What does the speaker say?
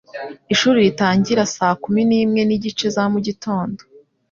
Ishuri ritangira saa kumi nimwe nigice za mugitondo.